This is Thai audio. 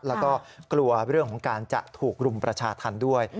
แล้วก็กลัวเรื่องของการจะถูกรุมประชาธรรมด้วย